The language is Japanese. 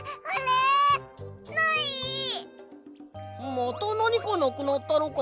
またなにかなくなったのか？